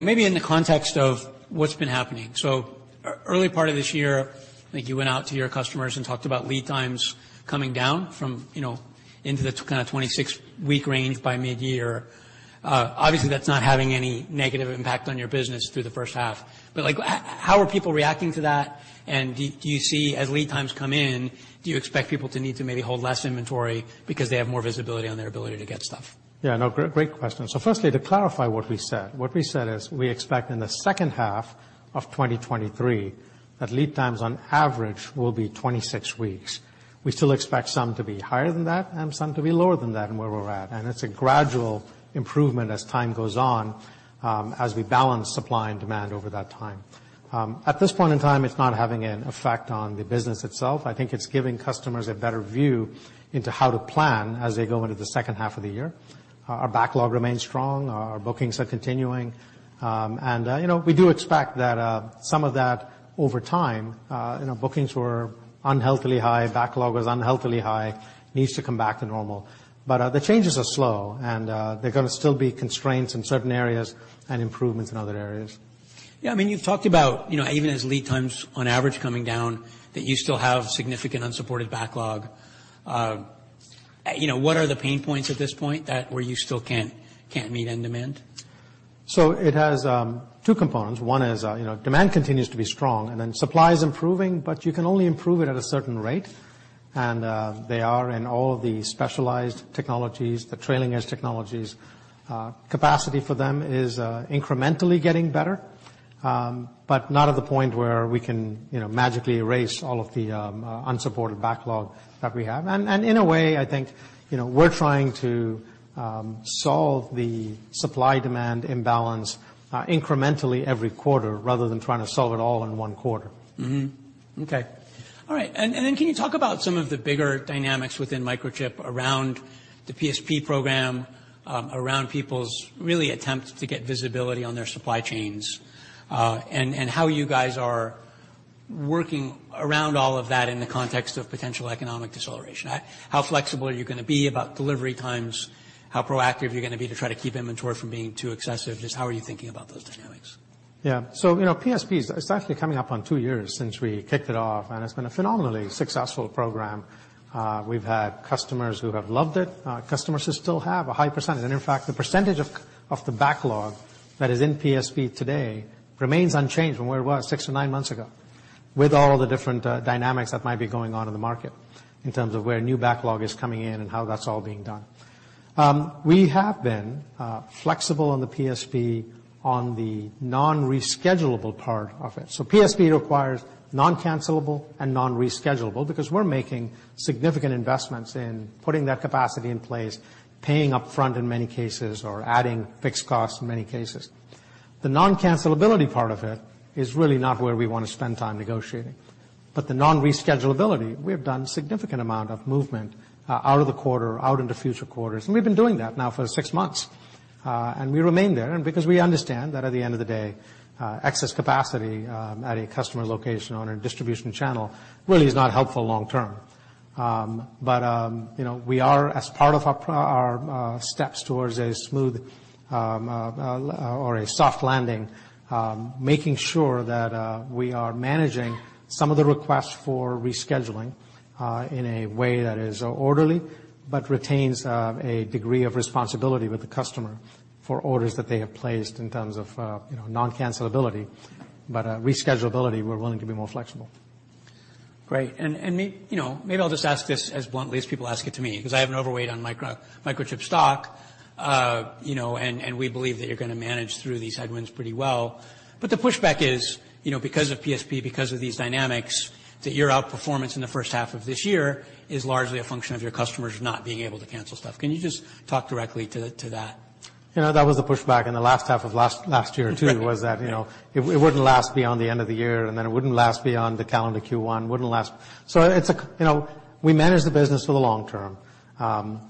Maybe in the context of what's been happening. Early part of this year, I think you went out to your customers and talked about lead times coming down from, you know, into the kind of 26-week range by mid-year. Obviously, that's not having any negative impact on your business through the first half. Like, how are people reacting to that? Do you see, as lead times come in, do you expect people to need to maybe hold less inventory because they have more visibility on their ability to get stuff? No. Great question. Firstly, to clarify what we said. What we said is we expect in the second half of 2023 that lead times on average will be 26 weeks. We still expect some to be higher than that and some to be lower than that and where we're at, and it's a gradual improvement as time goes on, as we balance supply and demand over that time. At this point in time, it's not having an effect on the business itself. I think it's giving customers a better view into how to plan as they go into the second half of the year. Our backlog remains strong. Our bookings are continuing. You know, we do expect that some of that over time, you know, bookings were unhealthily high, backlog was unhealthily high, needs to come back to normal. The changes are slow and there are gonna still be constraints in certain areas and improvements in other areas. Yeah, I mean, you've talked about, you know, even as lead times on average coming down, that you still have significant unsupported backlog. You know, what are the pain points at this point that where you still can't meet end demand? It has two components. One is, you know, demand continues to be strong, and then supply is improving, but you can only improve it at a certain rate. They are in all of the specialized technologies, the trailing edge technologies. Capacity for them is incrementally getting better, but not at the point where we can, you know, magically erase all of the unsupported backlog that we have. In a way, I think, you know, we're trying to solve the supply-demand imbalance incrementally every quarter, rather than trying to solve it all in one quarter. Okay. All right. Can you talk about some of the bigger dynamics within Microchip around the PSP program, around people's really attempt to get visibility on their supply chains, and how you guys are working around all of that in the context of potential economic deceleration? How flexible are you gonna be about delivery times? How proactive are you gonna be to try to keep inventory from being too excessive? Just how are you thinking about those dynamics? Yeah. You know, PSP is actually coming up on two years since we kicked it off, and it's been a phenomenally successful program. We've had customers who have loved it, customers who still have a high percentage. In fact, the percentage of the backlog that is in PSP today remains unchanged from where it was six-to-nine months ago, with all the different dynamics that might be going on in the market in terms of where new backlog is coming in and how that's all being done. We have been flexible on the PSP on the non-reschedulable part of it. PSP requires noncancellable and nonreschedulable because we're making significant investments in putting that capacity in place, paying up front in many cases or adding fixed costs in many cases. The non-cancellability part of it is really not where we wanna spend time negotiating. The non-reschedulability, we have done significant amount of movement out of the quarter, out into future quarters, and we've been doing that now for 6 months. We remain there. Because we understand that at the end of the day, excess capacity at a customer location on a distribution channel really is not helpful long term. You know, we are as part of our steps towards a smooth or a soft landing, making sure that we are managing some of the requests for rescheduling in a way that is orderly, but retains a degree of responsibility with the customer for orders that they have placed in terms of, you know, non-cancellability. Reschedulability, we're willing to be more flexible. Great. You know, maybe I'll just ask this as bluntly as people ask it to me, 'cause I have an overweight on Microchip stock. You know, and we believe that you're gonna manage through these headwinds pretty well. The pushback is, you know, because of PSP, because of these dynamics, that your outperformance in the first half of this year is largely a function of your customers not being able to cancel stuff. Can you just talk directly to that? You know, that was the pushback in the last half of last year too, was that, you know, it wouldn't last beyond the end of the year, and then it wouldn't last beyond the calendar Q1, wouldn't last. It's a, you know, we manage the business for the long term.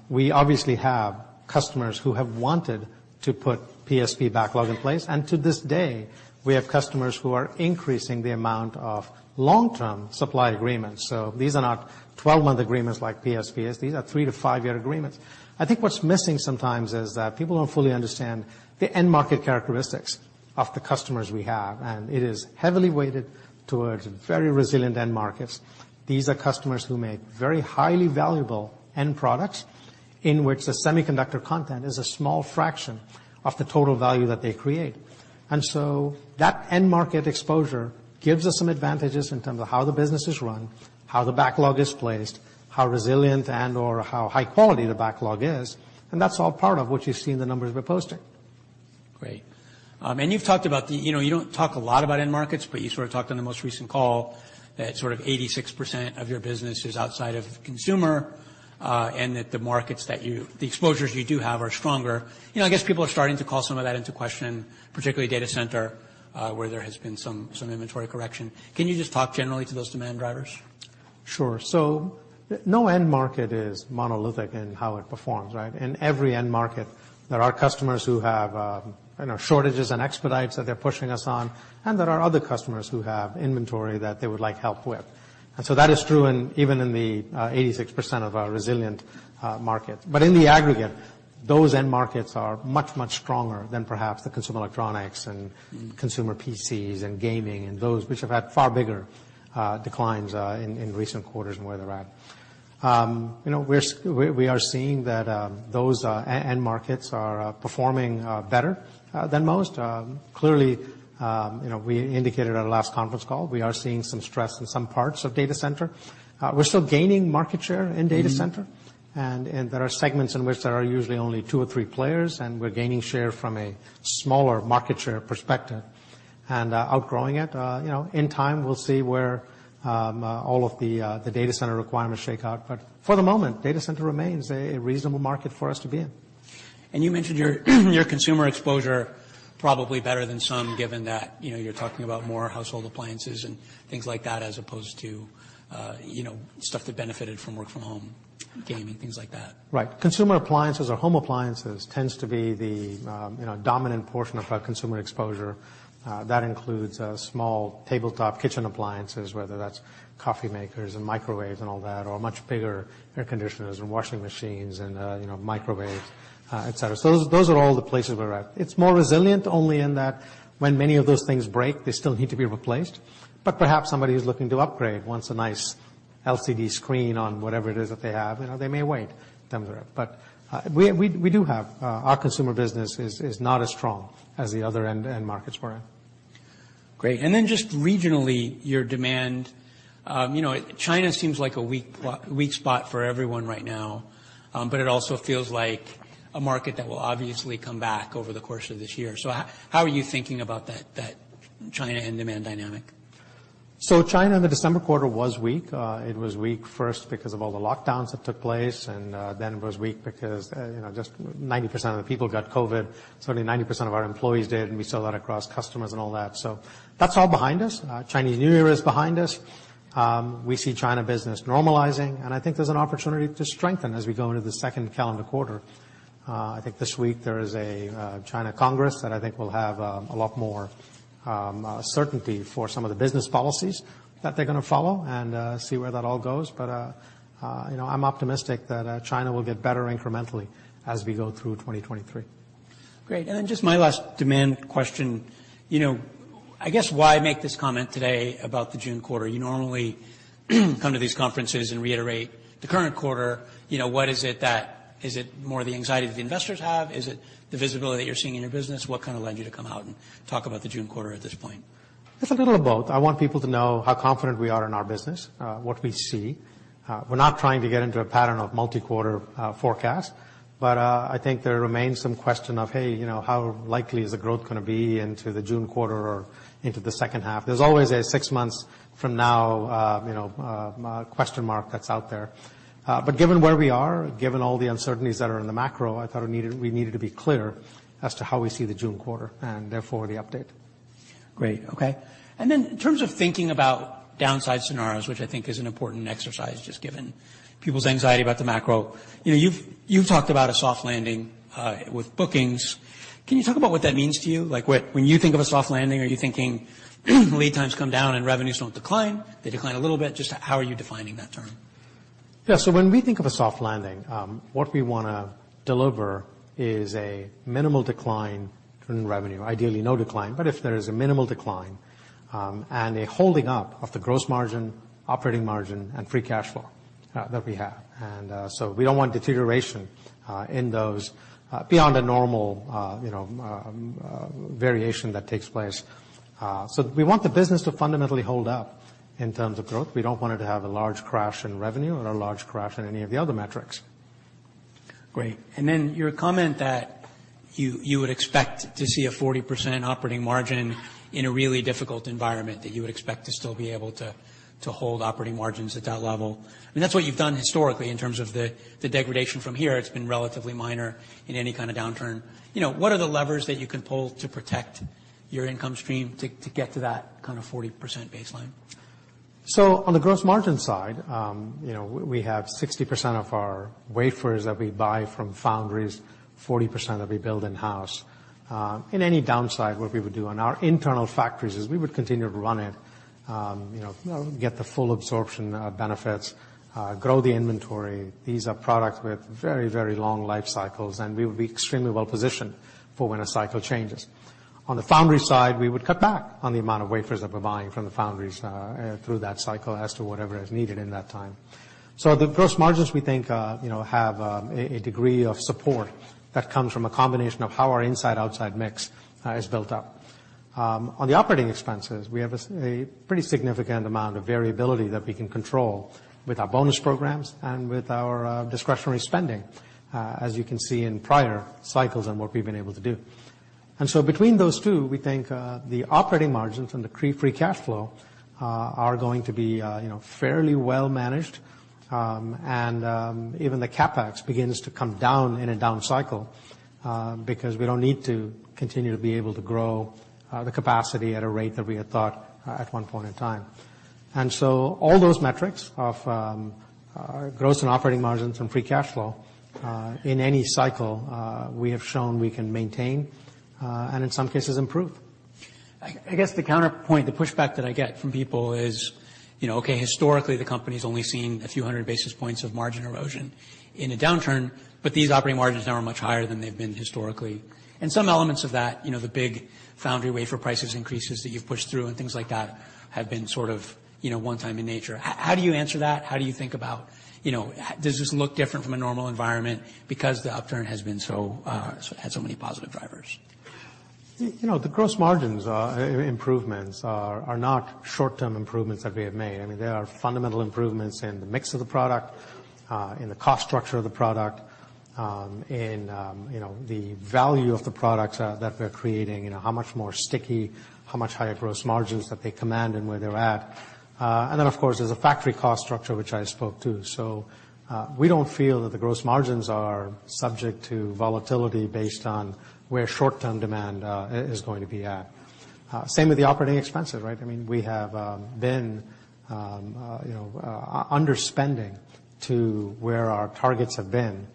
We obviously have customers who have wanted to put PSP backlog in place, and to this day, we have customers who are increasing the amount of long-term supply agreements. These are not 12-month agreements like PSP is. These are 3 to 5-year agreements. I think what's missing sometimes is that people don't fully understand the end market characteristics of the customers we have, and it is heavily weighted towards very resilient end markets. These are customers who make very highly valuable end products in which the semiconductor content is a small fraction of the total value that they create. That end market exposure gives us some advantages in terms of how the business is run, how the backlog is placed, how resilient and/or how high quality the backlog is, and that's all part of what you see in the numbers we're posting. Great. You've talked about, you know, you don't talk a lot about end markets, but you sort of talked on the most recent call that sort of 86% of your business is outside of consumer, and that the markets that the exposures you do have are stronger. You know, I guess people are starting to call some of that into question, particularly data center, where there has been some inventory correction. Can you just talk generally to those demand drivers? Sure. No end market is monolithic in how it performs, right? In every end market, there are customers who have, you know, shortages and expedites that they're pushing us on, and there are other customers who have inventory that they would like help with. That is true in, even in the 86% of our resilient market. In the aggregate, those end markets are much, much stronger than perhaps the consumer electronics and consumer PCs and gaming and those which have had far bigger declines in recent quarters and where they're at. You know, we are seeing that those end markets are performing better than most. Clearly, you know, we indicated at our last conference call, we are seeing some stress in some parts of data center. We're still gaining market share in data center. There are segments in which there are usually only two or three players, and we're gaining share from a smaller market share perspective and outgrowing it. You know, in time, we'll see where all of the data center requirements shake out. For the moment, data center remains a reasonable market for us to be in. You mentioned your consumer exposure probably better than some, given that, you know, you're talking about more household appliances and things like that, as opposed to, you know, stuff that benefited from work from home, gaming, things like that. Right. Consumer appliances or home appliances tends to be the, you know, dominant portion of our consumer exposure. That includes small tabletop kitchen appliances, whether that's coffee makers and microwaves and all that, or much bigger air conditioners and washing machines and, you know, microwaves, et cetera. Those are all the places where we're at. It's more resilient only in that when many of those things break, they still need to be replaced. Perhaps somebody who's looking to upgrade wants a nice LCD screen on whatever it is that they have, you know, they may wait in terms of that. We do have... Our consumer business is not as strong as the other end end markets we're in. Great. Just regionally, your demand, you know, China seems like a weak spot for everyone right now. It also feels like a market that will obviously come back over the course of this year. How are you thinking about that China and demand dynamic? China in the December quarter was weak. It was weak first because of all the lockdowns that took place, and then it was weak because, you know, just 90% of the people got COVID, certainly 90% of our employees did, and we saw that across customers and all that. That's all behind us. Chinese New Year is behind us. We see China business normalizing, and I think there's an opportunity to strengthen as we go into the second calendar quarter. I think this week there is a China's National People's Congress that I think will have a lot more certainty for some of the business policies that they're gonna follow and see where that all goes. You know, I'm optimistic that China will get better incrementally as we go through 2023. Great. Just my last demand question. You know, I guess why make this comment today about the June quarter? You normally come to these conferences and reiterate the current quarter. You know, is it more the anxiety that the investors have? Is it the visibility that you're seeing in your business? What kind of led you to come out and talk about the June quarter at this point? It's a little of both. I want people to know how confident we are in our business, what we see. We're not trying to get into a pattern of multi-quarter forecast. I think there remains some question of, hey, you know, how likely is the growth gonna be into the June quarter or into the second half? There's always a six months from now, you know, question mark that's out there. Given where we are, given all the uncertainties that are in the macro, I thought we needed to be clear as to how we see the June quarter, and therefore, the update. Great. Okay. In terms of thinking about downside scenarios, which I think is an important exercise, just given people's anxiety about the macro, you know, you've talked about a soft landing with bookings. Can you talk about what that means to you? Like, when you think of a soft landing, are you thinking, lead times come down and revenues don't decline? They decline a little bit. Just how are you defining that term? Yeah. When we think of a soft landing, what we wanna deliver is a minimal decline in revenue, ideally no decline. If there is a minimal decline, and a holding up of the gross margin, operating margin, and free cash flow that we have. We don't want deterioration in those beyond the normal, you know, variation that takes place. We want the business to fundamentally hold up in terms of growth. We don't want it to have a large crash in revenue or a large crash in any of the other metrics. Great. Then your comment that you would expect to see a 40% operating margin in a really difficult environment, that you would expect to still be able to hold operating margins at that level. I mean, that's what you've done historically in terms of the degradation from here. It's been relatively minor in any kind of downturn. You know, what are the levers that you can pull to protect your income stream to get to that kind of 40% baseline? On the gross margin side, you know, we have 60% of our wafers that we buy from foundries, 40% that we build in-house. In any downside, what we would do on our internal factories is we would continue to run it, you know, get the full absorption benefits, grow the inventory. These are products with very, very long life cycles, and we would be extremely well-positioned for when a cycle changes. On the foundry side, we would cut back on the amount of wafers that we're buying from the foundries through that cycle as to whatever is needed in that time. The gross margins, we think, you know, have a degree of support that comes from a combination of how our inside-outside mix is built up. On the operating expenses, we have a pretty significant amount of variability that we can control with our bonus programs and with our discretionary spending, as you can see in prior cycles and what we've been able to do. Between those two, we think the operating margins and the free cash flow are going to be, you know, fairly well managed. Even the CapEx begins to come down in a down cycle because we don't need to continue to be able to grow the capacity at a rate that we had thought at one point in time. All those metrics of gross and operating margins and free cash flow in any cycle, we have shown we can maintain and in some cases improve. I guess the counterpoint, the pushback that I get from people is, you know, okay, historically, the company's only seen a few hundred basis points of margin erosion in a downturn, but these operating margins now are much higher than they've been historically. Some elements of that, you know, the big foundry wafer prices increases that you've pushed through and things like that have been sort of, you know, one time in nature. How do you answer that? How do you think about, you know, does this look different from a normal environment because the upturn has been so, has had so many positive drivers? You know, the gross margins, improvements are not short-term improvements that we have made. I mean, there are fundamental improvements in the mix of the product, in the cost structure of the product, in, you know, the value of the products that we're creating, you know, how much more sticky, how much higher gross margins that they command and where they're at. Then of course, there's a factory cost structure, which I spoke to. We don't feel that the gross margins are subject to volatility based on where short-term demand is going to be at. Same with the operating expenses, right? I mean, we have been, you know, underspending to where our targets have been,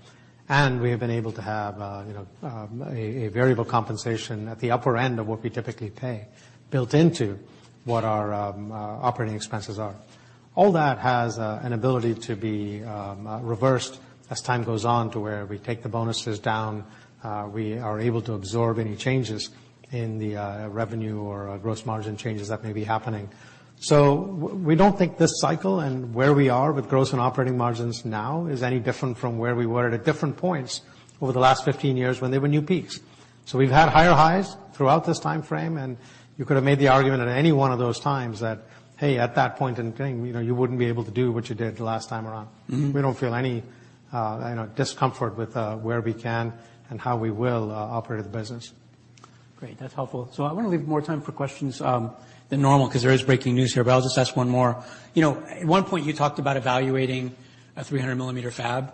and we have been able to have, you know, a variable compensation at the upper end of what we typically pay built into what our operating expenses are. All that has an ability to be reversed as time goes on to where we take the bonuses down, we are able to absorb any changes in the revenue or gross margin changes that may be happening. We don't think this cycle and where we are with gross and operating margins now is any different from where we were at at different points over the last 15 years when there were new peaks. We've had higher highs throughout this timeframe, and you could have made the argument at any one of those times that, hey, at that point in time, you know, you wouldn't be able to do what you did the last time around. We don't feel any, you know, discomfort with, where we can and how we will, operate the business. Great. That's helpful. I wanna leave more time for questions, than normal 'cause there is breaking news here, but I'll just ask one more. You know, at one point, you talked about evaluating a 300mm fab,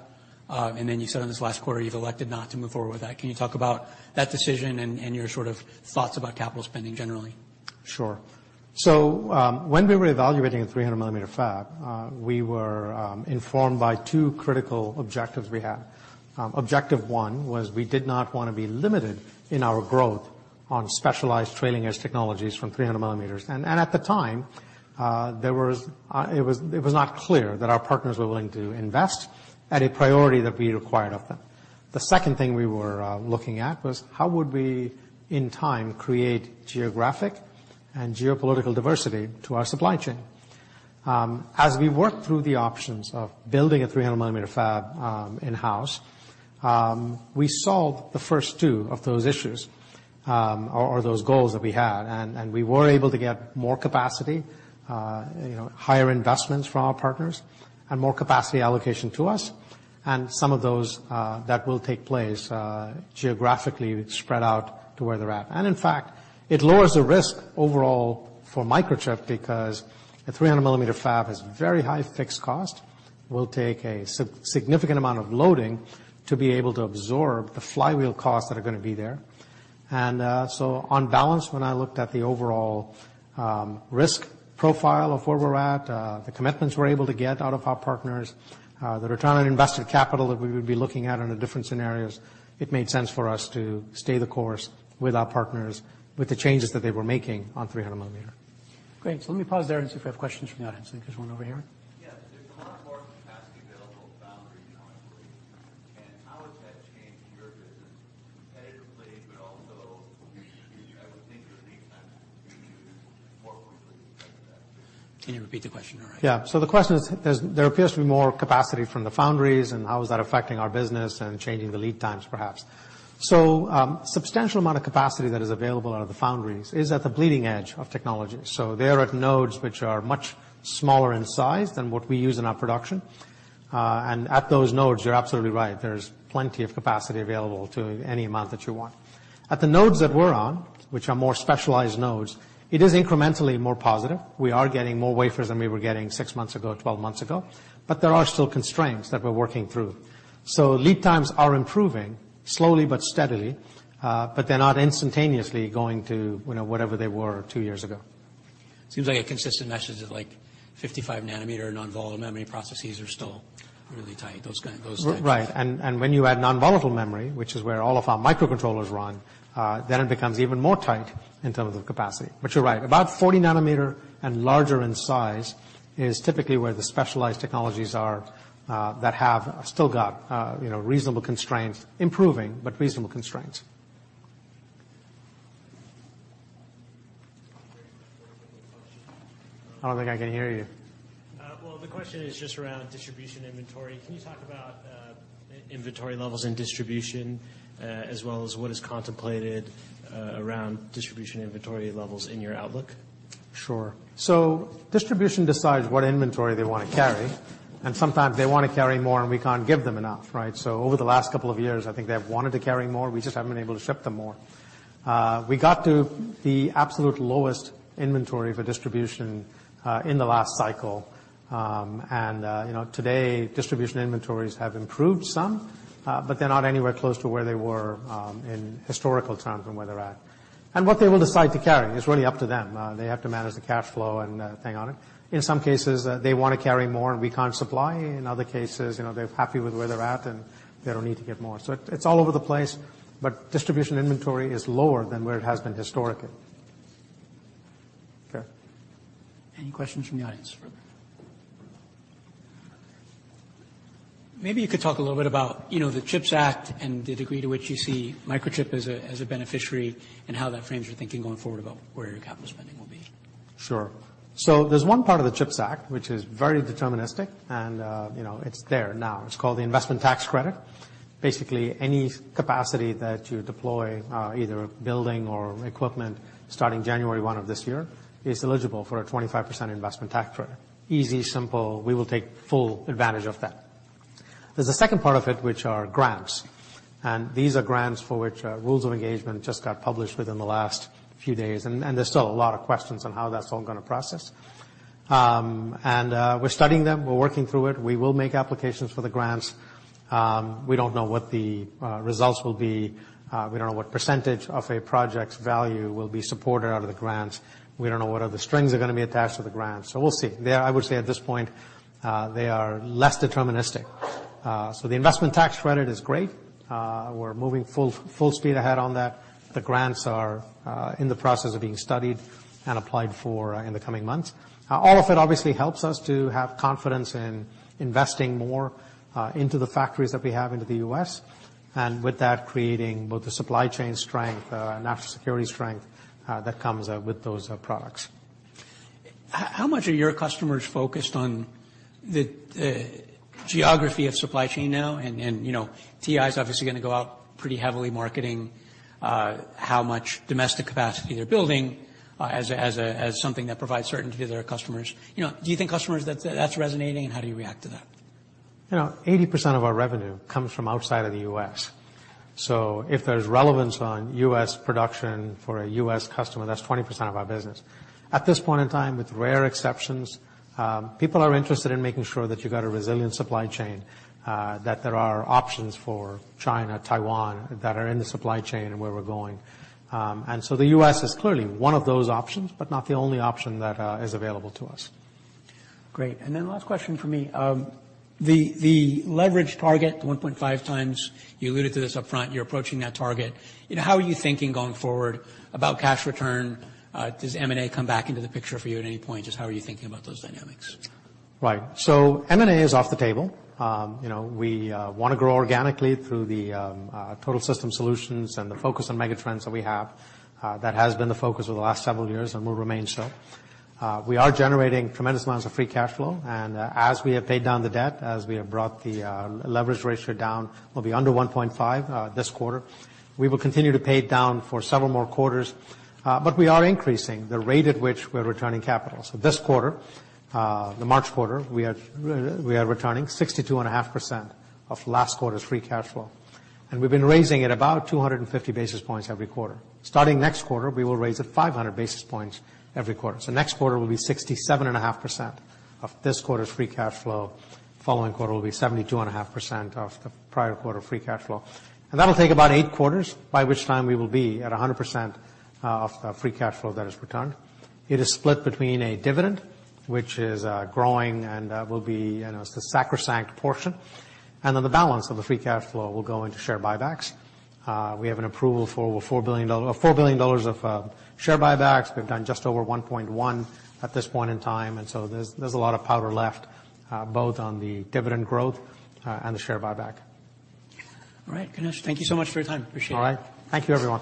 and then you said on this last quarter, you've elected not to move forward with that. Can you talk about that decision and your sort of thoughts about capital spending generally? Sure. When we were evaluating a 300mm fab, we were informed by two critical objectives we had. Objective 1 was we did not wanna be limited in our growth on specialized trailing edge technologies from 300mm. At the time, it was not clear that our partners were willing to invest at a priority that we required of them. The second thing we were looking at was how would we, in time, create geographic and geopolitical diversity to our supply chain. As we worked through the options of building a 300mm fab, in-house, we solved the first 2 of those issues, or those goals that we had. We were able to get more capacity, you know, higher investments from our partners and more capacity allocation to us, and some of those that will take place geographically spread out to where they're at. In fact, it lowers the risk overall for Microchip because a 300mm fab has very high fixed cost, will take a significant amount of loading to be able to absorb the flywheel costs that are gonna be there. On balance, when I looked at the overall risk profile of where we're at, the commitments we're able to get out of our partners, the return on invested capital that we would be looking at under different scenarios, it made sense for us to stay the course with our partners with the changes that they were making on 300mm. Great. Let me pause there and see if we have questions from the audience. I think there's one over here. Yeah. There's a lot more capacity available at foundries now, I believe. How has that changed your business competitively, but also from a future. I would think your lead times would continue to move more quickly because of that. Can you repeat the question? All right. The question is there appears to be more capacity from the foundries, and how is that affecting our business and changing the lead times, perhaps. Substantial amount of capacity that is available out of the foundries is at the bleeding edge of technology. They're at nodes which are much smaller in size than what we use in our production. At those nodes, you're absolutely right, there's plenty of capacity available to any amount that you want. At the nodes that we're on, which are more specialized nodes, it is incrementally more positive. We are getting more wafers than we were getting six months ago, 12 months ago, but there are still constraints that we're working through. Lead times are improving slowly but steadily, but they're not instantaneously going to, you know, whatever they were two years ago. Seems like a consistent message of, like, 55 nm non-volatile memory processes are still really tight, those kind, those types. Right. When you add non-volatile memory, which is where all of our microcontrollers run, then it becomes even more tight in terms of capacity. You're right, about 40 nm and larger in size is typically where the specialized technologies are, that have still got, you know, reasonable constraints, improving, but reasonable constraints. I don't think I can hear you. The question is just around distribution inventory. Can you talk about inventory levels and distribution, as well as what is contemplated around distribution inventory levels in your outlook? Sure. Distribution decides what inventory they wanna carry, and sometimes they wanna carry more, and we can't give them enough, right? Over the last couple of years, I think they have wanted to carry more. We just haven't been able to ship them more. We got to the absolute lowest inventory for distribution in the last cycle. And, you know, today, distribution inventories have improved some, but they're not anywhere close to where they were in historical terms and where they're at. What they will decide to carry is really up to them. They have to manage the cash flow and hang on it. In some cases, they wanna carry more and we can't supply. In other cases, you know, they're happy with where they're at, and they don't need to get more. It's all over the place, but distribution inventory is lower than where it has been historically. Okay. Any questions from the audience? Maybe you could talk a little bit about, you know, the CHIPS Act and the degree to which you see Microchip as a beneficiary, and how that frames your thinking going forward about where your capital spending will be? Sure. There's one part of the CHIPS Act, which is very deterministic and, you know, it's there now. It's called the Investment Tax Credit. Basically, any capacity that you deploy, either building or equipment starting January 1 of this year is eligible for a 25% Investment Tax Credit. Easy, simple. We will take full advantage of that. There's a second part of it, which are grants, and these are grants for which rules of engagement just got published within the last few days, and there's still a lot of questions on how that's all gonna process. We're studying them. We're working through it. We will make applications for the grants. We don't know what the results will be. We don't know what percentage of a project's value will be supported out of the grants. We don't know what other strings are gonna be attached to the grants. We'll see. I would say at this point, they are less deterministic. The Investment Tax Credit is great. We're moving full speed ahead on that. The grants are in the process of being studied and applied for in the coming months. All of it obviously helps us to have confidence in investing more into the factories that we have into the U.S., with that, creating both the supply chain strength, national security strength, that comes with those products. How much are your customers focused on the geography of supply chain now and, you know, TI is obviously gonna go out pretty heavily marketing, how much domestic capacity they're building, as something that provides certainty to their customers? You know, do you think customers that's resonating and how do you react to that? You know, 80% of our revenue comes from outside of the U.S. If there's relevance on U.S. production for a U.S. customer, that's 20% of our business. At this point in time, with rare exceptions, people are interested in making sure that you've got a resilient supply chain, that there are options for China, Taiwan, that are in the supply chain and where we're going. The U.S. is clearly one of those options, not the only option that is available to us. Great. Last question from me. The leverage target 1.5x, you alluded to this upfront, you're approaching that target. You know, how are you thinking going forward about cash return? Does M&A come back into the picture for you at any point? Just how are you thinking about those dynamics? Right. M&A is off the table. You know, we wanna grow organically through the Total System Solutions and the focus on mega trends that we have. That has been the focus over the last several years and will remain so. We are generating tremendous amounts of free cash flow, and as we have paid down the debt, as we have brought the leverage ratio down, we'll be under 1.5 this quarter. We will continue to pay it down for several more quarters, but we are increasing the rate at which we're returning capital. This quarter, the March quarter, we are returning 62.5% of last quarter's free cash flow. We've been raising it about 250 basis points every quarter. Starting next quarter, we will raise it 500 basis points every quarter. Next quarter will be 67.5% of this quarter's free cash flow. Following quarter will be 72.5% of the prior quarter free cash flow. That'll take about eight quarters, by which time we will be at 100% of the free cash flow that is returned. It is split between a dividend, which is growing, and that will be, you know, it's the sacrosanct portion. Then the balance of the free cash flow will go into share buybacks. We have an approval for over $4 billion of share buybacks. We've done just over $1.1 billion at this point in time. There's a lot of powder left, both on the dividend growth, and the share buyback. All right. Ganesh, thank you so much for your time. Appreciate it. All right. Thank you, everyone.